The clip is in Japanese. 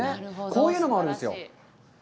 こういうのもあるんですよ。